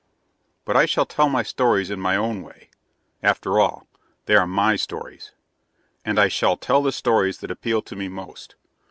But I shall tell my stories in my own way; after all, they are my stories. And I shall tell the stories that appeal to me most.